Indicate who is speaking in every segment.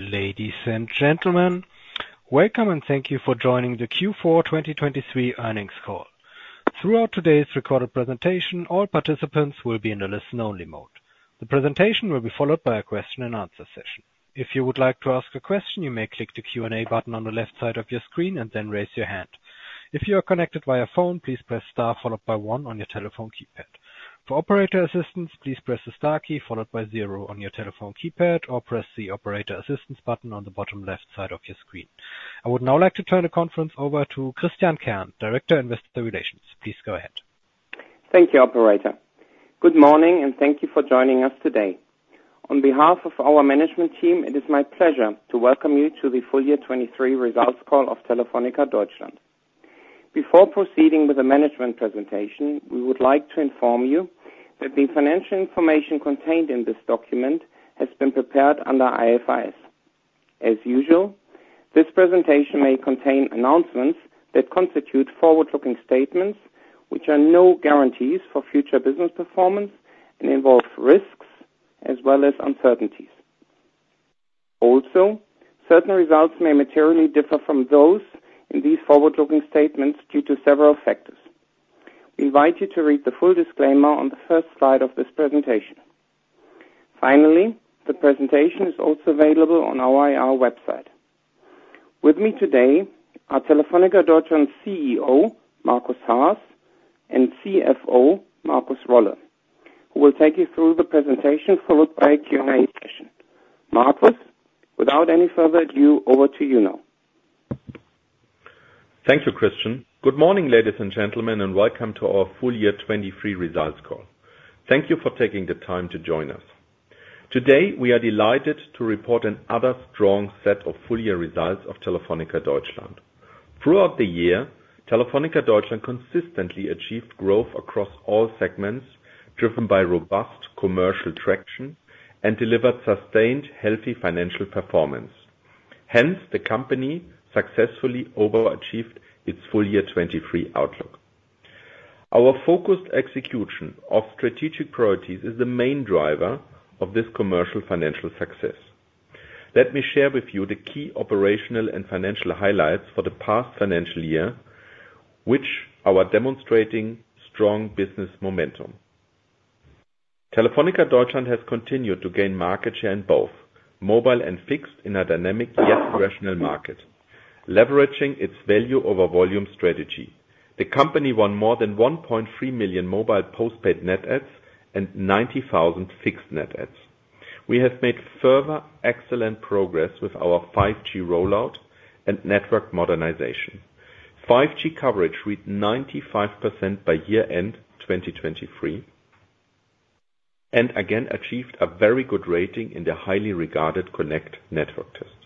Speaker 1: Ladies and gentlemen, welcome and thank you for joining the Q4 2023 Earnings Call. Throughout today's recorded presentation, all participants will be in the listen-only mode. The presentation will be followed by a question-and-answer session. If you would like to ask a question, you may click the Q&A button on the left side of your screen and then raise your hand. If you are connected via phone, please press star followed by one on your telephone keypad. For operator assistance, please press the star key followed by zero on your telephone keypad or press the operator assistance button on the bottom left side of your screen. I would now like to turn the conference over to Christian Kern, Director of Investor Relations. Please go ahead.
Speaker 2: Thank you, Operator. Good morning and thank you for joining us today. On behalf of our management team, it is my pleasure to welcome you to the full year 2023 results call of Telefónica Deutschland. Before proceeding with the management presentation, we would like to inform you that the financial information contained in this document has been prepared under IFRS. As usual, this presentation may contain announcements that constitute forward-looking statements which are no guarantees for future business performance and involve risks as well as uncertainties. Also, certain results may materially differ from those in these forward-looking statements due to several factors. We invite you to read the full disclaimer on the first slide of this presentation. Finally, the presentation is also available on our IR website. With me today are Telefónica Deutschland CEO, Markus Haas, and CFO, Markus Rolle, who will take you through the presentation followed by a Q&A session. Markus, without any further ado, over to you now.
Speaker 3: Thank you, Christian. Good morning, ladies and gentlemen, and welcome to our full year 2023 results call. Thank you for taking the time to join us. Today, we are delighted to report another strong set of full year results of Telefónica Deutschland. Throughout the year, Telefónica Deutschland consistently achieved growth across all segments driven by robust commercial traction and delivered sustained, healthy financial performance. Hence, the company successfully overachieved its full year 2023 outlook. Our focused execution of strategic priorities is the main driver of this commercial financial success. Let me share with you the key operational and financial highlights for the past financial year, which are demonstrating strong business momentum. Telefónica Deutschland has continued to gain market share in both mobile and fixed in a dynamic yet rational market, leveraging its value-over-volume strategy. The company won more than 1.3 million mobile postpaid net adds and 90,000 fixed net adds. We have made further excellent progress with our 5G rollout and network modernization. 5G coverage reached 95% by year-end 2023 and again achieved a very good rating in the highly regarded Connect network test.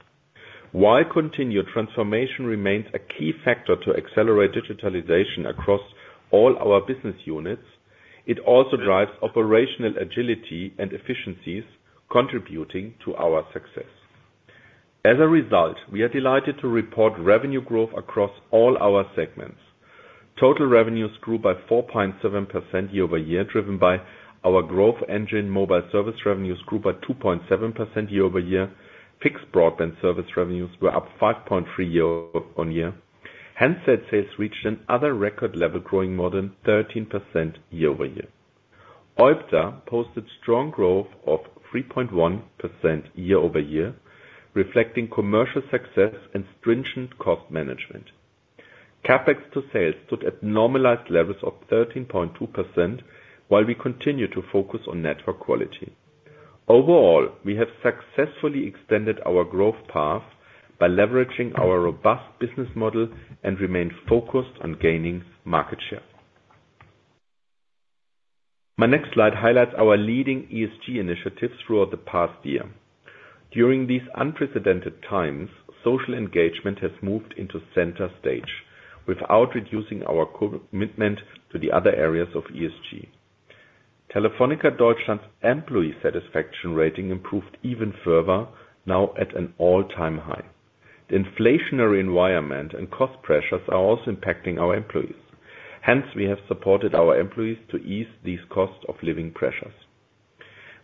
Speaker 3: While continued transformation remains a key factor to accelerate digitalization across all our business units, it also drives operational agility and efficiencies, contributing to our success. As a result, we are delighted to report revenue growth across all our segments. Total revenues grew by 4.7% year-over-year, driven by our growth engine. Mobile service revenues grew by 2.7% year-over-year. Fixed broadband service revenues were up 5.3% year-over-year. Handset sales reached another record level, growing more than 13% year-over-year. OIBDA posted strong growth of 3.1% year-over-year, reflecting commercial success and stringent cost management. CapEx to sales stood at normalized levels of 13.2%, while we continue to focus on network quality. Overall, we have successfully extended our growth path by leveraging our robust business model and remained focused on gaining market share. My next slide highlights our leading ESG initiatives throughout the past year. During these unprecedented times, social engagement has moved into center stage without reducing our commitment to the other areas of ESG. Telefónica Deutschland's employee satisfaction rating improved even further, now at an all-time high. The inflationary environment and cost pressures are also impacting our employees. Hence, we have supported our employees to ease these cost-of-living pressures.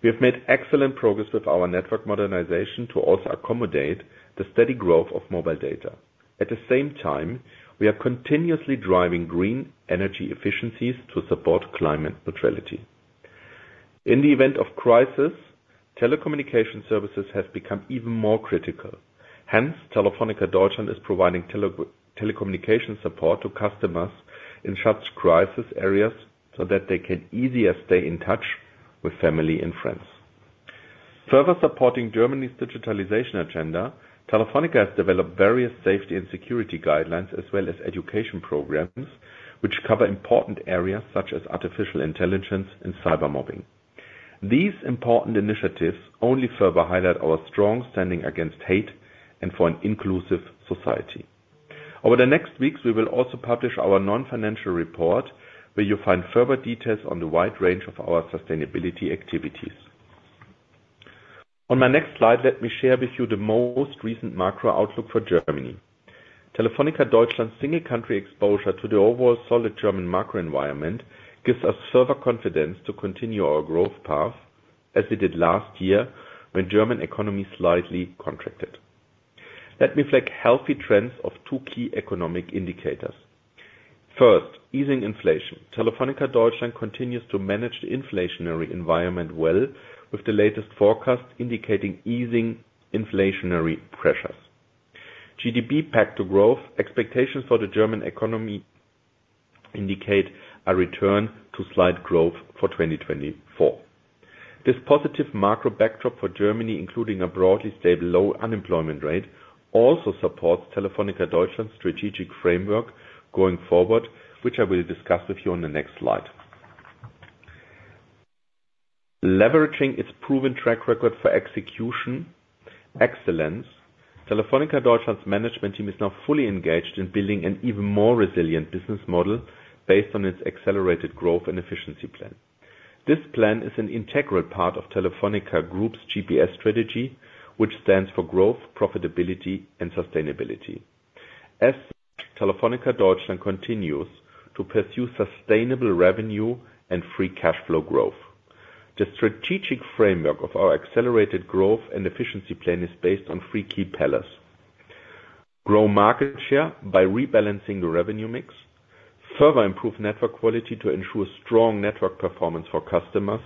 Speaker 3: We have made excellent progress with our network modernization to also accommodate the steady growth of mobile data. At the same time, we are continuously driving green energy efficiencies to support climate neutrality. In the event of crisis, telecommunication services have become even more critical. Hence, Telefónica Deutschland is providing telecommunication support to customers in such crisis areas so that they can easier stay in touch with family and friends. Further supporting Germany's digitalization agenda, Telefónica has developed various safety and security guidelines as well as education programs which cover important areas such as artificial intelligence and cybermobbing. These important initiatives only further highlight our strong standing against hate and for an inclusive society. Over the next weeks, we will also publish our non-financial report where you'll find further details on the wide range of our sustainability activities. On my next slide, let me share with you the most recent macro outlook for Germany. Telefónica Deutschland's single-country exposure to the overall solid German macro environment gives us further confidence to continue our growth path as it did last year when German economy slightly contracted. Let me flag healthy trends of two key economic indicators. First, easing inflation. Telefónica Deutschland continues to manage the inflationary environment well, with the latest forecast indicating easing inflationary pressures. GDP back to growth. Expectations for the German economy indicate a return to slight growth for 2024. This positive macro backdrop for Germany, including a broadly stable low unemployment rate, also supports Telefónica Deutschland's strategic framework going forward, which I will discuss with you on the next slide. Leveraging its proven track record for execution excellence, Telefónica Deutschland's management team is now fully engaged in building an even more resilient business model based on its accelerated growth and efficiency plan. This plan is an integral part of Telefónica Group's GPS strategy, which stands for growth, profitability, and sustainability. As Telefónica Deutschland continues to pursue sustainable revenue and free cash flow growth, the strategic framework of our accelerated growth and efficiency plan is based on three key pillars: grow market share by rebalancing the revenue mix, further improve network quality to ensure strong network performance for customers,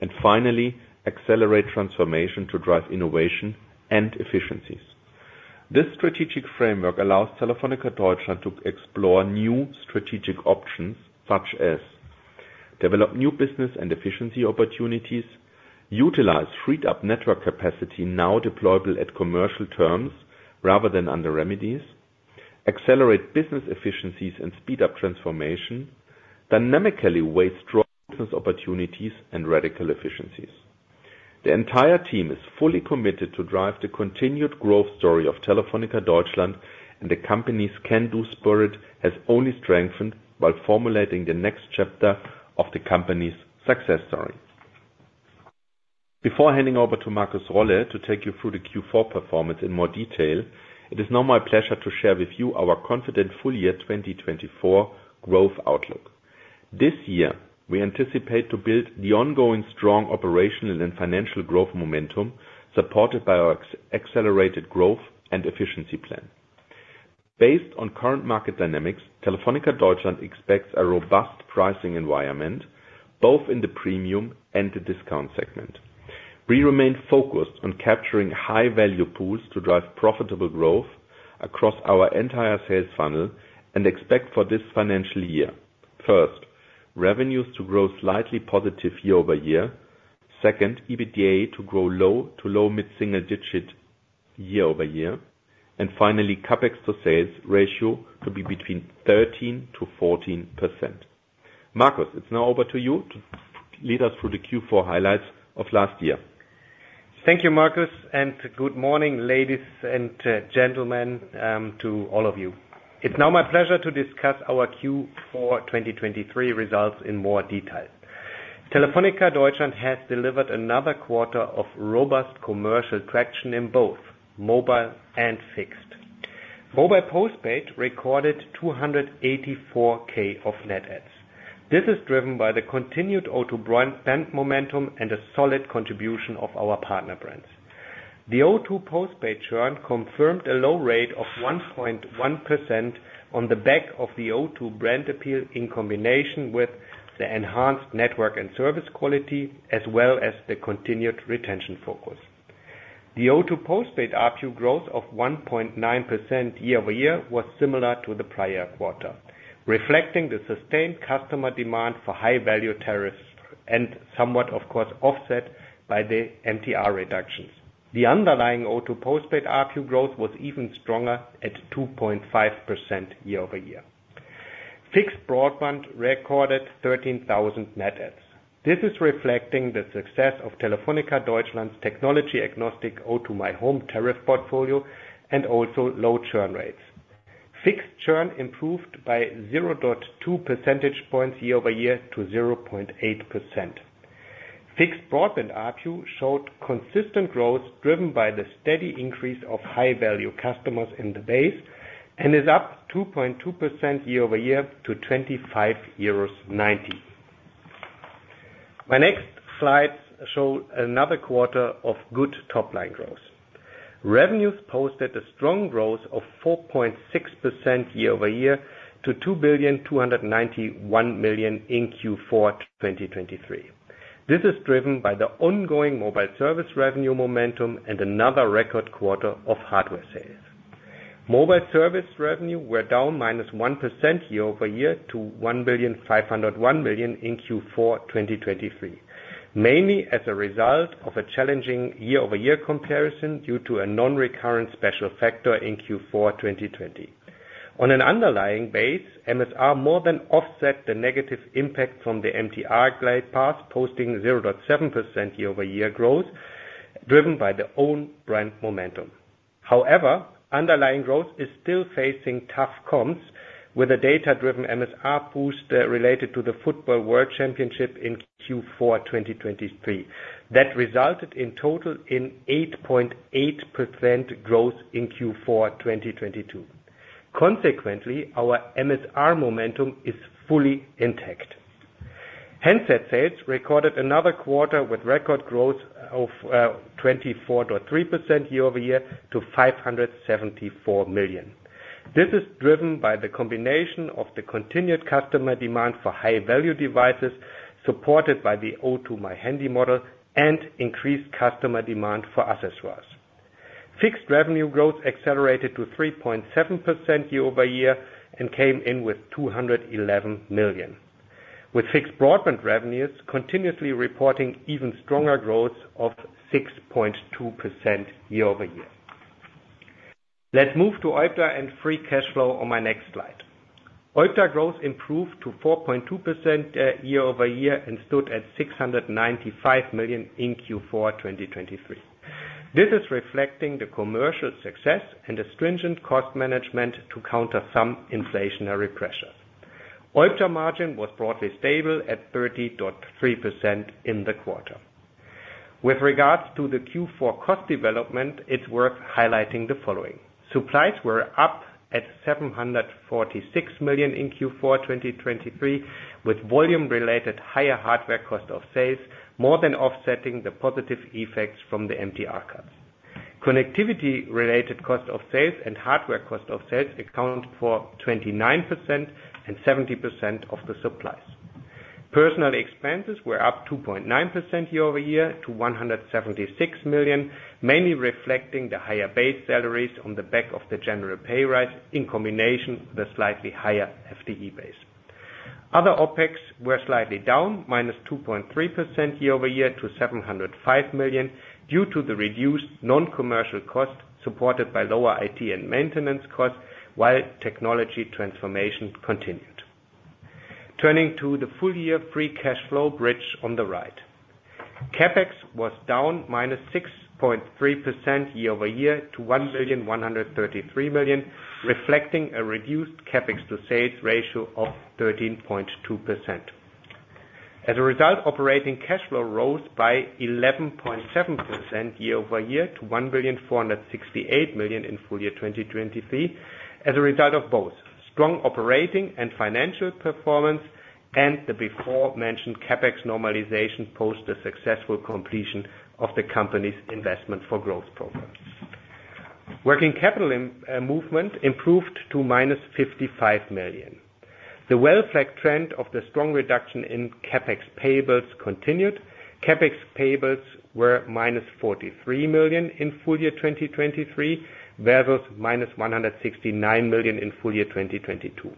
Speaker 3: and finally, accelerate transformation to drive innovation and efficiencies. This strategic framework allows Telefónica Deutschland to explore new strategic options such as develop new business and efficiency opportunities, utilize freed-up network capacity now deployable at commercial terms rather than under remedies, accelerate business efficiencies, and speed up transformation, dynamically weigh strong business opportunities, and radical efficiencies. The entire team is fully committed to drive the continued growth story of Telefónica Deutschland, and the company's can-do spirit has only strengthened while formulating the next chapter of the company's success story. Before handing over to Markus Rolle to take you through the Q4 performance in more detail, it is now my pleasure to share with you our confident full year 2024 growth outlook. This year, we anticipate to build the ongoing strong operational and financial growth momentum supported by our accelerated growth and efficiency plan. Based on current market dynamics, Telefónica Deutschland expects a robust pricing environment both in the premium and the discount segment. We remain focused on capturing high-value pools to drive profitable growth across our entire sales funnel and expect for this financial year: first, revenues to grow slightly positive year-over-year. Second, EBITDA to grow low- to low mid-single-digit year-over-year. And finally, CapEx to sales ratio to be between 13%-14%. Markus, it's now over to you to lead us through the Q4 highlights of last year.
Speaker 4: Thank you, Markus, and good morning, ladies and gentlemen, to all of you. It's now my pleasure to discuss our Q4 2023 results in more detail. Telefónica Deutschland has delivered another quarter of robust commercial traction in both mobile and fixed. Mobile postpaid recorded 284K net adds. This is driven by the continued O2 brand momentum and a solid contribution of our partner brands. The O2 postpaid churn confirmed a low rate of 1.1% on the back of the O2 brand appeal in combination with the enhanced network and service quality as well as the continued retention focus. The O2 postpaid ARPU growth of 1.9% year-over-year was similar to the prior quarter, reflecting the sustained customer demand for high-value tariffs and somewhat, of course, offset by the MTR reductions. The underlying O2 postpaid ARPU growth was even stronger at 2.5% year-over-year. Fixed broadband recorded 13,000 net adds. This is reflecting the success of Telefónica Deutschland's technology-agnostic O2 My Home tariff portfolio and also low churn rates. Fixed churn improved by 0.2 percentage points year-over-year to 0.8%. Fixed broadband ARPU showed consistent growth driven by the steady increase of high-value customers in the base and is up 2.2% year-over-year to 25.90 euros. My next slides show another quarter of good top-line growth. Revenues posted a strong growth of 4.6% year-over-year to 2,291,000,000 in Q4 2023. This is driven by the ongoing mobile service revenue momentum and another record quarter of hardware sales. Mobile service revenue were down -1% year-over-year to 1,501,000,000 in Q4 2023, mainly as a result of a challenging year-over-year comparison due to a non-recurrent special factor in Q4 2020. On an underlying base, MSR more than offset the negative impact from the MTR glide path, posting 0.7% year-over-year growth driven by the own brand momentum. However, underlying growth is still facing tough comps with a data-driven MSR boost related to the Football World Championship in Q4 2023 that resulted in total in 8.8% growth in Q4 2022. Consequently, our MSR momentum is fully intact. Handset sales recorded another quarter with record growth of 24.3% year-over-year to 574 million. This is driven by the combination of the continued customer demand for high-value devices supported by the O2 My Handy model and increased customer demand for accessories. Fixed revenue growth accelerated to 3.7% year-over-year and came in with 211 million, with fixed broadband revenues continuously reporting even stronger growths of 6.2% year-over-year. Let's move to OIBDA and free cash flow on my next slide. OIBDA growth improved to 4.2% year-over-year and stood at 695 million in Q4 2023. This is reflecting the commercial success and the stringent cost management to counter some inflationary pressures. OIBDA margin was broadly stable at 30.3% in the quarter. With regards to the Q4 cost development, it's worth highlighting the following: supplies were up at 746 million in Q4 2023, with volume-related higher hardware cost of sales more than offsetting the positive effects from the MTR cuts. Connectivity-related cost of sales and hardware cost of sales account for 29% and 70% of the supplies. Personal expenses were up 2.9% year-over-year to 176 million, mainly reflecting the higher base salaries on the back of the general pay rise in combination with a slightly higher FTE base. Other OPEX were slightly down -2.3% year-over-year to 705 million due to the reduced non-commercial cost supported by lower IT and maintenance costs, while technology transformation continued. Turning to the full-year free cash flow bridge on the right: CapEx was down -6.3% year-over-year to 1,133 million, reflecting a reduced CapEx to sales ratio of 13.2%. As a result, operating cash flow rose by 11.7% year-over-year to 1,468,000,000 in full year 2023 as a result of both strong operating and financial performance, and the before-mentioned CapEx normalization post the successful completion of the company's investment for growth program. Working capital movement improved to -55 million. The well-flagged trend of the strong reduction in CapEx payables continued. CapEx payables were -43 million in full year 2023 versus -169 million in full year 2022.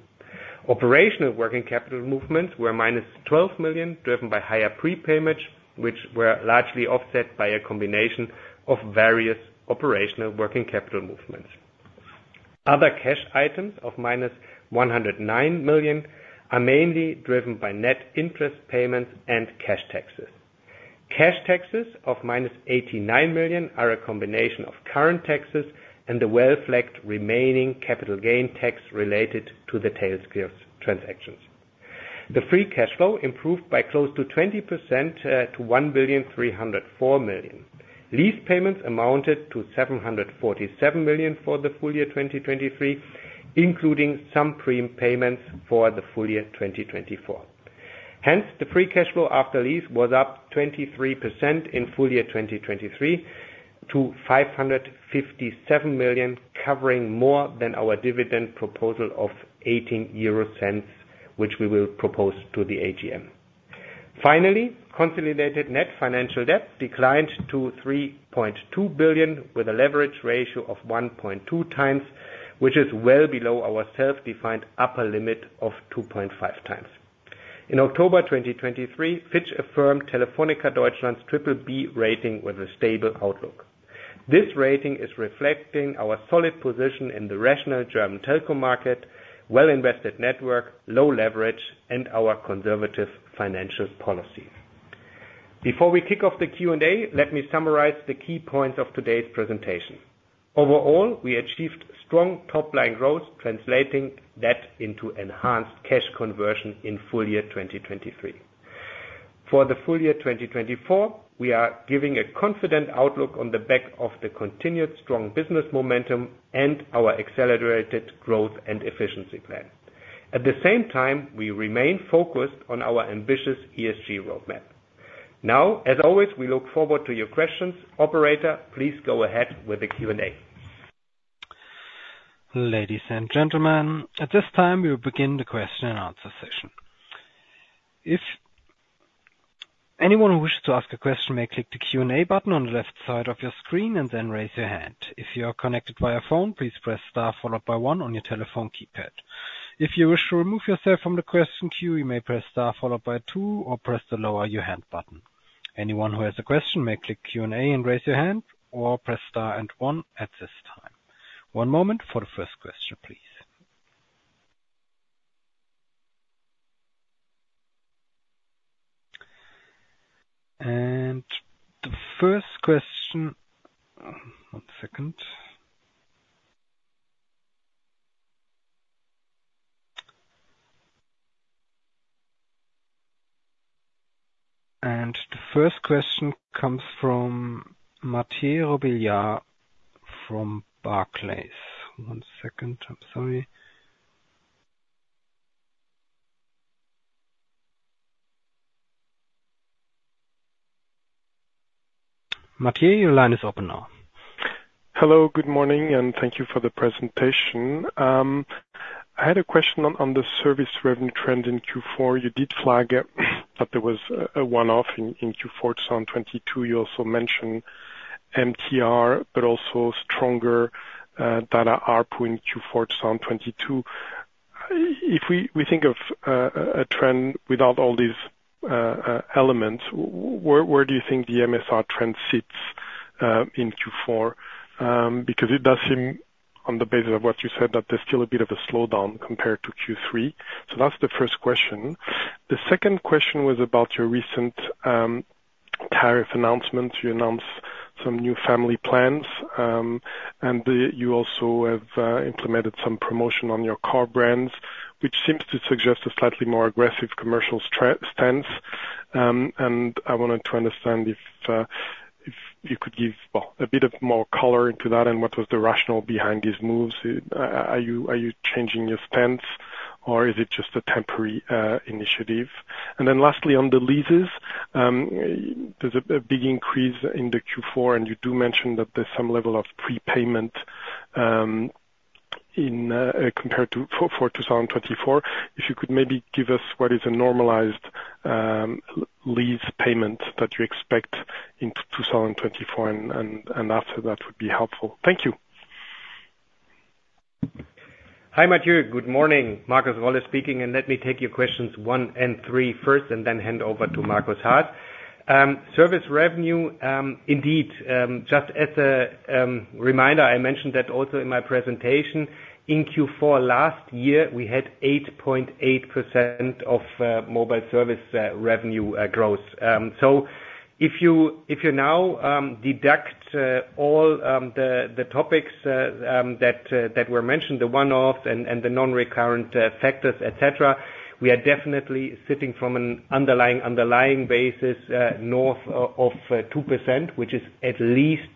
Speaker 4: Operational working capital movements were -12 million driven by higher prepayments, which were largely offset by a combination of various operational working capital movements. Other cash items of -109 million are mainly driven by net interest payments and cash taxes. Cash taxes of -89 million are a combination of current taxes and the well-flagged remaining capital gain tax related to the sales transactions. The free cash flow improved by close to 20% to 1,304,000,000. Lease payments amounted to 747 million for the full year 2023, including some prepayments for the full year 2024. Hence, the free cash flow after lease was up 23% in full year 2023 to 557 million, covering more than our dividend proposal of 0.18, which we will propose to the AGM. Finally, consolidated net financial debt declined to 3.2 billion, with a leverage ratio of 1.2x, which is well below our self-defined upper limit of 2.5x. In October 2023, Fitch affirmed Telefónica Deutschland's BBB rating with a stable outlook. This rating is reflecting our solid position in the rational German telco market, well-invested network, low leverage, and our conservative financial policy. Before we kick off the Q&A, let me summarize the key points of today's presentation. Overall, we achieved strong top-line growth, translating that into enhanced cash conversion in full year 2023. For the full year 2024, we are giving a confident outlook on the back of the continued strong business momentum and our accelerated growth and efficiency plan. At the same time, we remain focused on our ambitious ESG roadmap. Now, as always, we look forward to your questions. Operator, please go ahead with the Q&A.
Speaker 1: Ladies and gentlemen, at this time, we will begin the question-and-answer session. If anyone who wishes to ask a question may click the Q&A button on the left side of your screen and then raise your hand. If you are connected via phone, please press star followed by one on your telephone keypad. If you wish to remove yourself from the question queue, you may press star followed by two or press the lower your hand button. Anyone who has a question may click Q&A and raise your hand or press star and one at this time. One moment for the first question, please. The first question comes from Matteo Robillard from Barclays. One second. I'm sorry. Matteo, your line is open now.
Speaker 5: Hello. Good morning, and thank you for the presentation. I had a question on the service revenue trend in Q4. You did flag it, but there was a one-off in Q4 2022. You also mentioned MTR, but also stronger data ARPU in Q4 2022. If we think of a trend without all these elements, where do you think the MSR trend sits in Q4? Because it does seem, on the basis of what you said, that there's still a bit of a slowdown compared to Q3. So that's the first question. The second question was about your recent tariff announcement. You announced some new family plans, and you also have implemented some promotion on your O2 brands, which seems to suggest a slightly more aggressive commercial stance. I wanted to understand if you could give a bit of more color into that and what was the rationale behind these moves. Are you changing your stance, or is it just a temporary initiative? And then lastly, on the leases, there's a big increase in the Q4, and you do mention that there's some level of prepayment compared to for 2024. If you could maybe give us what is a normalized lease payment that you expect in 2024, and after that would be helpful. Thank you.
Speaker 4: Hi, Matteo. Good morning. Markus Rolle speaking, and let me take your questions one and three first and then hand over to Markus Haas. Service revenue, indeed, just as a reminder, I mentioned that also in my presentation, in Q4 last year, we had 8.8% of mobile service revenue growth. So if you now deduct all the topics that were mentioned, the one-offs and the non-recurrent factors, etc., we are definitely sitting from an underlying basis north of 2%, which is at least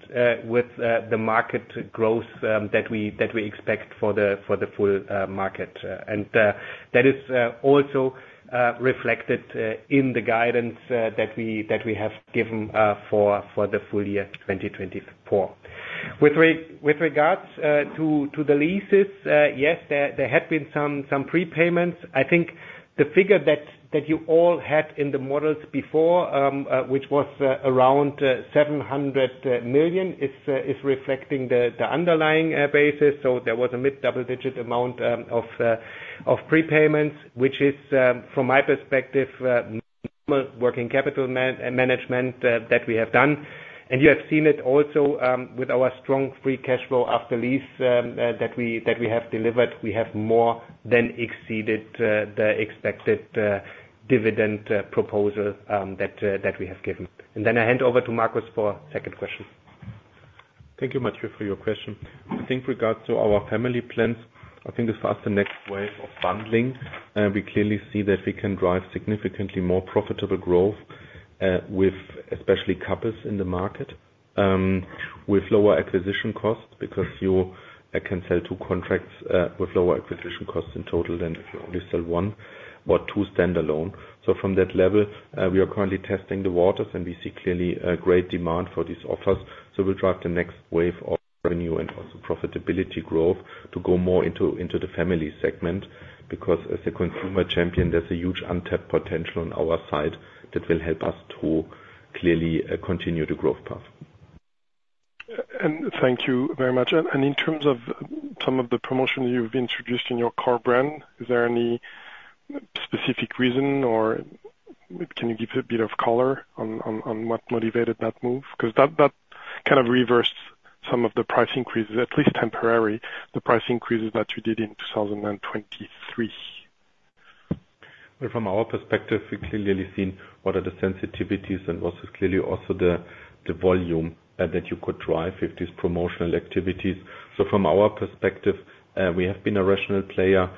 Speaker 4: with the market growth that we expect for the full market. That is also reflected in the guidance that we have given for the full year 2024. With regards to the leases, yes, there had been some prepayments. I think the figure that you all had in the models before, which was around 700 million, is reflecting the underlying basis. There was a mid-double-digit amount of prepayments, which is, from my perspective, normal working capital management that we have done. You have seen it also with our strong free cash flow after lease that we have delivered. We have more than exceeded the expected dividend proposal that we have given. Then I hand over to Markus for the second question.
Speaker 3: Thank you, Matteo, for your question. I think with regards to our family plans, I think as far as the next wave of bundling, we clearly see that we can drive significantly more profitable growth, especially couples in the market, with lower acquisition costs because you can sell two contracts with lower acquisition costs in total than if you only sell one or two standalone. So from that level, we are currently testing the waters, and we see clearly great demand for these offers. So we'll drive the next wave of revenue and also profitability growth to go more into the family segment because, as a consumer champion, there's a huge untapped potential on our side that will help us to clearly continue the growth path.
Speaker 5: Thank you very much. In terms of some of the promotions you've introduced in your O2 brand, is there any specific reason, or can you give a bit of color on what motivated that move? Because that kind of reversed some of the price increases, at least temporarily, the price increases that you did in 2023.
Speaker 3: Well, from our perspective, we clearly seen what are the sensitivities and what is clearly also the volume that you could drive with these promotional activities. From our perspective, we have been a rational player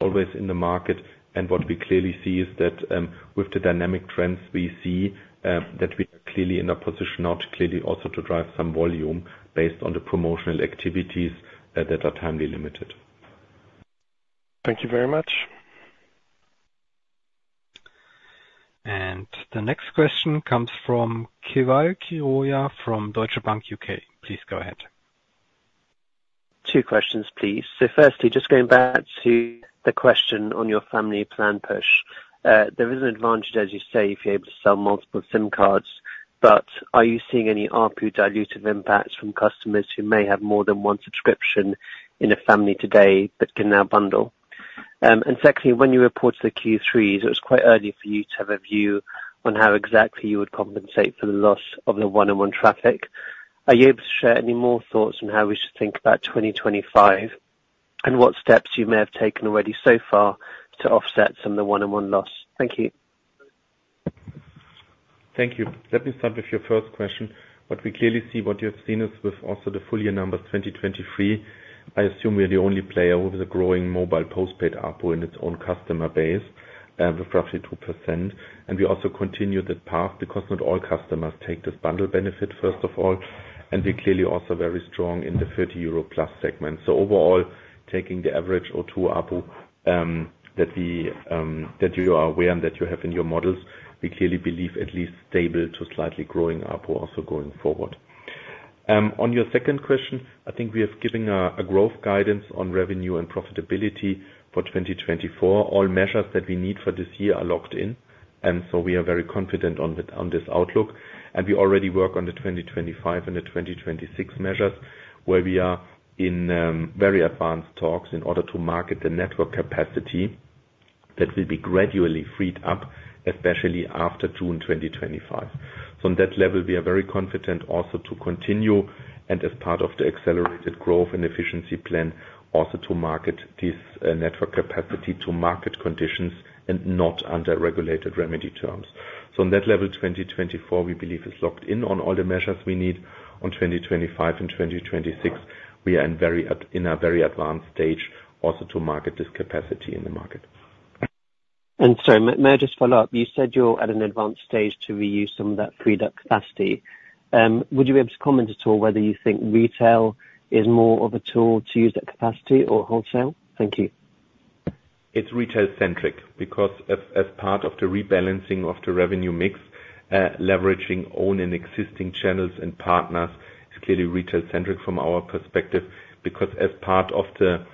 Speaker 3: always in the market. What we clearly see is that with the dynamic trends we see, that we are clearly in a position now to clearly also drive some volume based on the promotional activities that are timely limited.
Speaker 5: Thank you very much.
Speaker 1: The next question comes from Keval Khiroya from Deutsche Bank U.K. Please go ahead.
Speaker 6: Two questions, please. So firstly, just going back to the question on your family plan push, there is an advantage, as you say, if you're able to sell multiple SIM cards. But are you seeing any ARPU dilutive impacts from customers who may have more than one subscription in a family today but can now bundle? And secondly, when you reported the Q3s, it was quite early for you to have a view on how exactly you would compensate for the loss of the 1&1 traffic. Are you able to share any more thoughts on how we should think about 2025 and what steps you may have taken already so far to offset some of the 1&1 loss? Thank you.
Speaker 3: Thank you. Let me start with your first question. What we clearly see, what you have seen, is with also the full year numbers 2023, I assume we are the only player with a growing mobile postpaid ARPU in its own customer base with roughly 2%. And we also continue that path because not all customers take this bundle benefit, first of all. And we're clearly also very strong in the 30+ euro segment. So overall, taking the average O2 ARPU that you are aware and that you have in your models, we clearly believe at least stable to slightly growing ARPU also going forward. On your second question, I think we have given a growth guidance on revenue and profitability for 2024. All measures that we need for this year are locked in. And so we are very confident on this outlook. We already work on the 2025 and the 2026 measures, where we are in very advanced talks in order to market the network capacity that will be gradually freed up, especially after June 2025. On that level, we are very confident also to continue, and as part of the accelerated growth and efficiency plan, also to market this network capacity to market conditions and not under regulated remedy terms. On that level, 2024, we believe is locked in on all the measures we need. On 2025 and 2026, we are in a very advanced stage also to market this capacity in the market.
Speaker 6: Sorry, may I just follow up? You said you're at an advanced stage to reuse some of that freed-up capacity. Would you be able to comment at all whether you think retail is more of a tool to use that capacity or wholesale? Thank you.
Speaker 3: It's retail-centric because, as part of the rebalancing of the revenue mix, leveraging own and existing channels and partners is clearly retail-centric from our perspective because, as part of the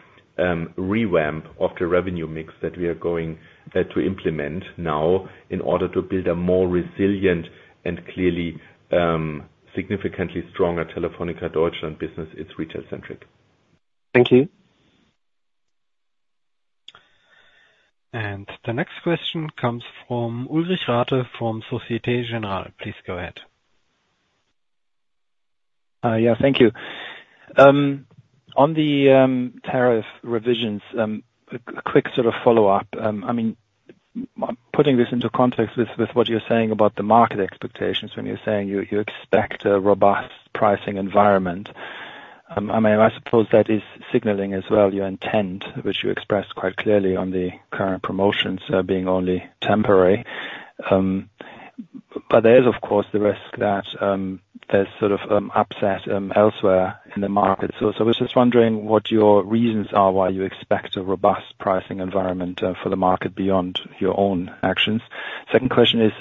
Speaker 3: revamp of the revenue mix that we are going to implement now in order to build a more resilient and clearly significantly stronger Telefónica Deutschland business, it's retail-centric.
Speaker 6: Thank you.
Speaker 1: The next question comes from Ulrich Rathe from Société Générale. Please go ahead.
Speaker 7: Yeah. Thank you. On the tariff revisions, a quick sort of follow-up. I mean, putting this into context with what you're saying about the market expectations, when you're saying you expect a robust pricing environment, I suppose that is signaling as well your intent, which you expressed quite clearly on the current promotions being only temporary. But there is, of course, the risk that there's sort of upset elsewhere in the market. So I was just wondering what your reasons are why you expect a robust pricing environment for the market beyond your own actions. Second question is,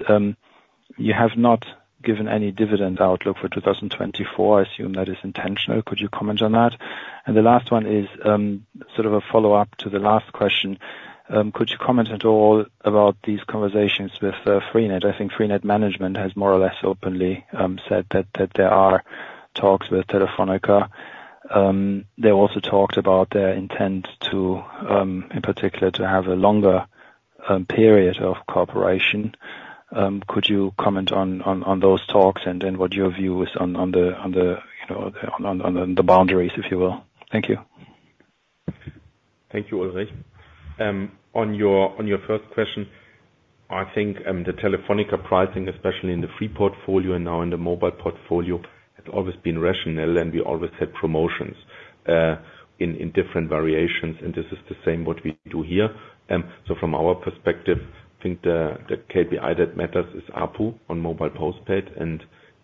Speaker 7: you have not given any dividend outlook for 2024. I assume that is intentional. Could you comment on that? And the last one is sort of a follow-up to the last question. Could you comment at all about these conversations with Freenet? I think Freenet management has more or less openly said that there are talks with Telefónica. They also talked about their intent to, in particular, have a longer period of cooperation. Could you comment on those talks and what your view is on the boundaries, if you will? Thank you.
Speaker 3: Thank you, Ulrich. On your first question, I think the Telefónica pricing, especially in the free portfolio and now in the mobile portfolio, has always been rational, and we always had promotions in different variations. This is the same what we do here. So from our perspective, I think the KPI that matters is ARPU on mobile postpaid.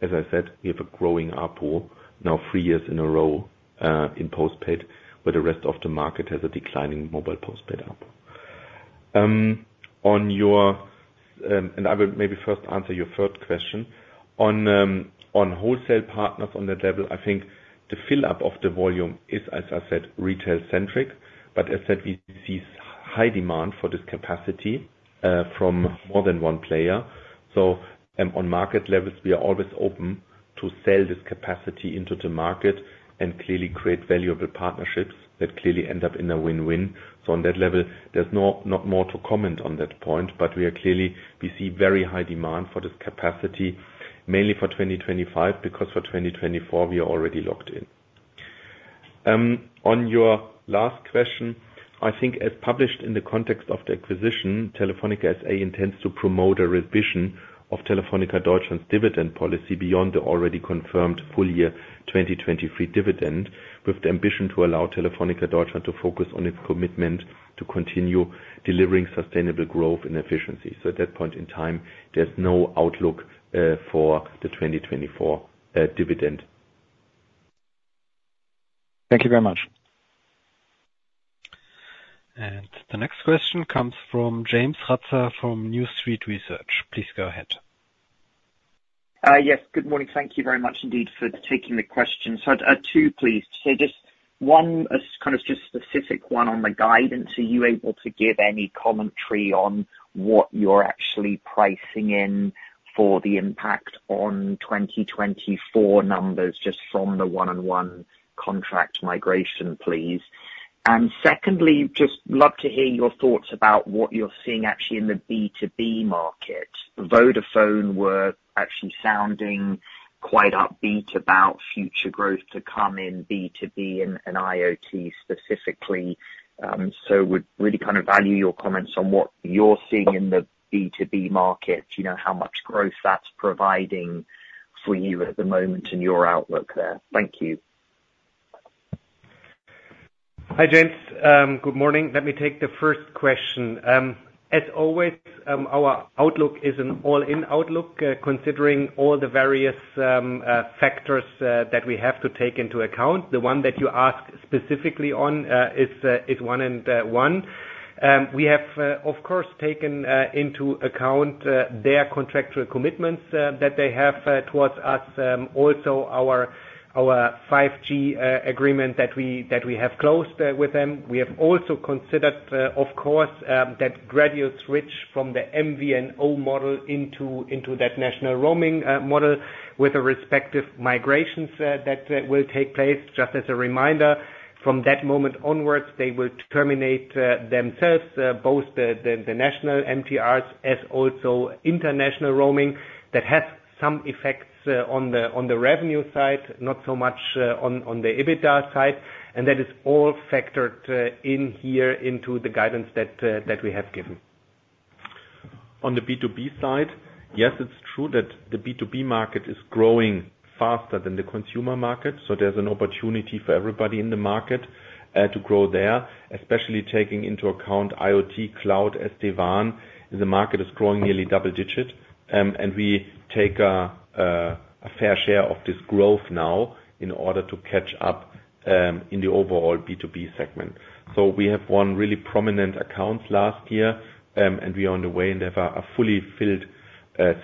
Speaker 3: As I said, we have a growing ARPU now three years in a row in postpaid, where the rest of the market has a declining mobile postpaid ARPU. I will maybe first answer your third question. On wholesale partners, on that level, I think the fill-up of the volume is, as I said, retail-centric. We see high demand for this capacity from more than one player. So on market levels, we are always open to sell this capacity into the market and clearly create valuable partnerships that clearly end up in a win-win. So on that level, there's not more to comment on that point. But we see very high demand for this capacity, mainly for 2025 because for 2024, we are already locked in. On your last question, I think, as published in the context of the acquisition, Telefónica S.A. intends to promote a revision of Telefónica Deutschland's dividend policy beyond the already confirmed full year 2023 dividend with the ambition to allow Telefónica Deutschland to focus on its commitment to continue delivering sustainable growth and efficiency. So at that point in time, there's no outlook for the 2024 dividend.
Speaker 1: Thank you very much. The next question comes from James Ratzer from New Street Research. Please go ahead.
Speaker 8: Yes. Good morning. Thank you very much, indeed, for taking the question. So two, please. So just kind of just specific one on the guidance. Are you able to give any commentary on what you're actually pricing in for the impact on 2024 numbers just from the 1&1 contract migration, please? And secondly, just love to hear your thoughts about what you're seeing actually in the B2B market. Vodafone were actually sounding quite upbeat about future growth to come in B2B and IoT specifically. So would really kind of value your comments on what you're seeing in the B2B market, how much growth that's providing for you at the moment and your outlook there. Thank you.
Speaker 4: Hi, James. Good morning. Let me take the first question. As always, our outlook is an all-in outlook considering all the various factors that we have to take into account. The one that you asked specifically on is 1&1. We have, of course, taken into account their contractual commitments that they have towards us, also our 5G agreement that we have closed with them. We have also considered, of course, that gradual switch from the MVNO model into that national roaming model with the respective migrations that will take place. Just as a reminder, from that moment onwards, they will terminate themselves, both the national MTRs as also international roaming that has some effects on the revenue side, not so much on the EBITDA side. And that is all factored in here into the guidance that we have given.
Speaker 3: On the B2B side, yes, it's true that the B2B market is growing faster than the consumer market. There's an opportunity for everybody in the market to grow there, especially taking into account IoT, cloud, SD-WAN. The market is growing nearly double-digit. We take a fair share of this growth now in order to catch up in the overall B2B segment. We have won really prominent accounts last year, and we are on the way and have a fully filled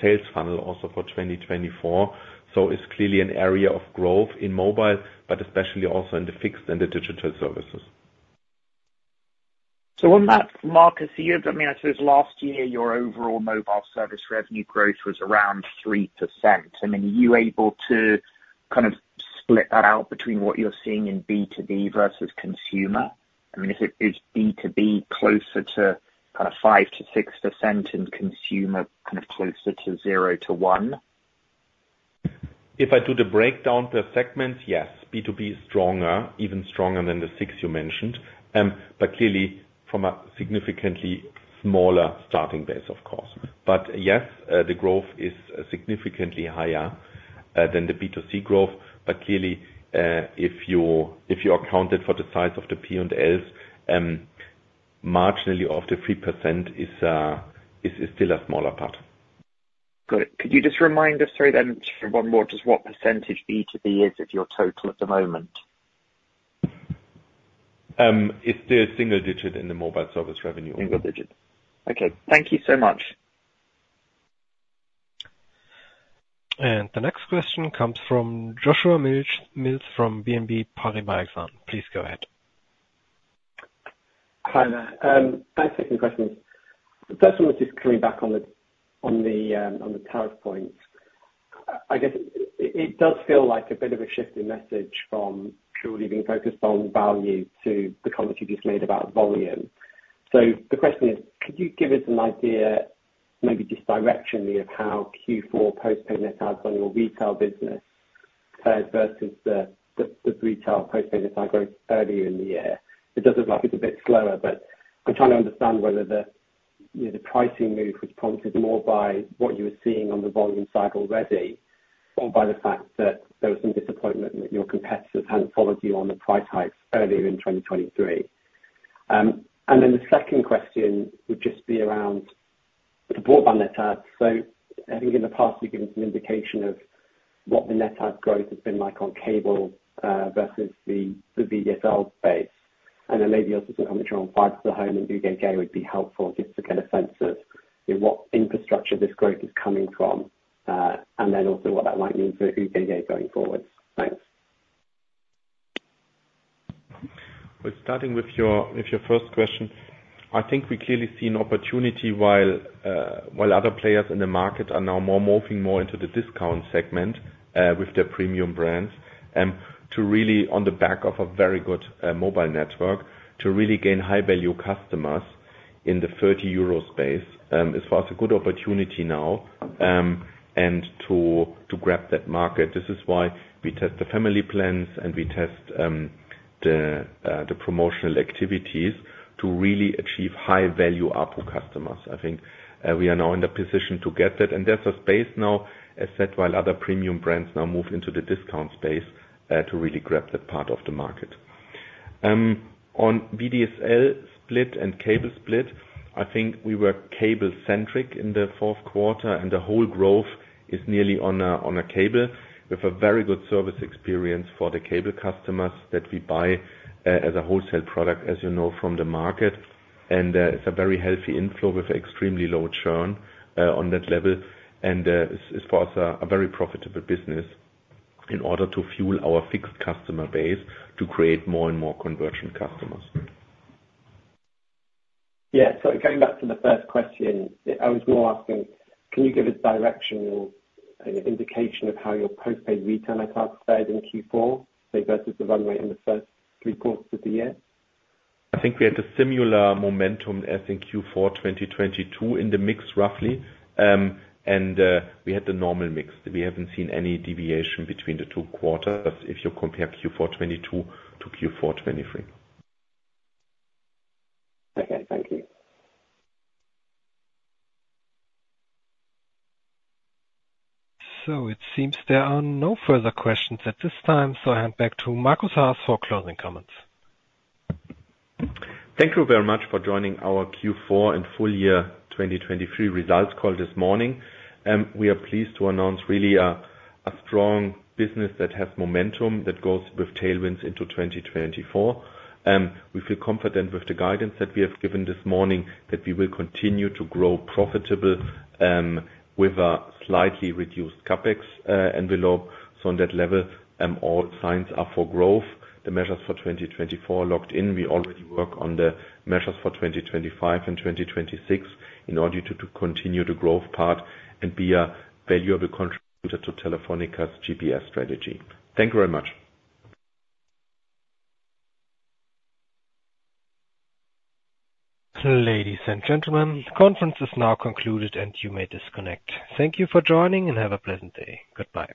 Speaker 3: sales funnel also for 2024. It's clearly an area of growth in mobile, but especially also in the fixed and the digital services.
Speaker 8: So in that market's years, I mean, I suppose last year, your overall mobile service revenue growth was around 3%. I mean, are you able to kind of split that out between what you're seeing in B2B versus consumer? I mean, is B2B closer to kind of 5%-6% and consumer kind of closer to 0%-1%?
Speaker 3: If I do the breakdown per segment, yes, B2B is stronger, even stronger than the 6 you mentioned, but clearly from a significantly smaller starting base, of course. But yes, the growth is significantly higher than the B2C growth. But clearly, if you accounted for the size of the P&Ls, marginally off the 3% is still a smaller part.
Speaker 8: Got it. Could you just remind us, sorry, then just for one more, just what percentage B2B is of your total at the moment?
Speaker 3: It's still single-digit in the mobile service revenue.
Speaker 8: Single-digit. Okay. Thank you so much.
Speaker 1: The next question comes from Joshua Mills from BNP Paribas Exane. Please go ahead.
Speaker 9: Hi, there. Thanks for taking the questions. The first one was just coming back on the tariff points. I guess it does feel like a bit of a shift in message from purely being focused on value to the comments you just made about volume. So the question is, could you give us an idea, maybe just directionally, of how Q4 postpaid net adds on your retail business compared versus the retail postpaid net add growth earlier in the year? It does look like it's a bit slower, but I'm trying to understand whether the pricing move was prompted more by what you were seeing on the volume side already or by the fact that there was some disappointment that your competitors hadn't followed you on the price hikes earlier in 2023. And then the second question would just be around the broadband net adds. I think in the past, you've given some indication of what the net add growth has been like on cable versus the VDSL base. And then maybe also some commentary on fiber for home and UGG would be helpful just to get a sense of what infrastructure this growth is coming from and then also what that might mean for UGG going forward. Thanks.
Speaker 3: Well, starting with your first question, I think we clearly see an opportunity while other players in the market are now moving more into the discount segment with their premium brands to really, on the back of a very good mobile network, to really gain high-value customers in the 30 euro space. It's for us a good opportunity now and to grab that market. This is why we test the family plans, and we test the promotional activities to really achieve high-value ARPU customers. I think we are now in the position to get that. And there's a space now, as I said, while other premium brands now move into the discount space to really grab that part of the market. On VDSL split and cable split, I think we were cable-centric in the fourth quarter, and the whole growth is nearly on a cable with a very good service experience for the cable customers that we buy as a wholesale product, as you know, from the market. And it's a very healthy inflow with extremely low churn on that level. And it's for us a very profitable business in order to fuel our fixed customer base to create more and more conversion customers.
Speaker 9: Yeah. Sorry, coming back to the first question, I was more asking, can you give us direction or an indication of how your postpaid retail net add fared in Q4, say, versus the runway in the first three quarters of the year?
Speaker 3: I think we had a similar momentum as in Q4 2022 in the mix, roughly. We had the normal mix. We haven't seen any deviation between the two quarters if you compare Q4 2022 to Q4 2023.
Speaker 9: Okay. Thank you.
Speaker 1: It seems there are no further questions at this time. I hand back to Markus Haas for closing comments.
Speaker 3: Thank you very much for joining our Q4 and full year 2023 results call this morning. We are pleased to announce really a strong business that has momentum that goes with tailwinds into 2024. We feel confident with the guidance that we have given this morning that we will continue to grow profitable with a slightly reduced CapEx envelope. So on that level, all signs are for growth. The measures for 2024 are locked in. We already work on the measures for 2025 and 2026 in order to continue the growth part and be a valuable contributor to Telefónica's GPS strategy. Thank you very much.
Speaker 1: Ladies and gentlemen, the conference is now concluded, and you may disconnect. Thank you for joining, and have a pleasant day. Goodbye.